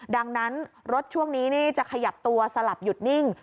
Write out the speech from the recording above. ดังนั้นรถช่วงนี้จะขยับตัวสลับหยุดนิ่ง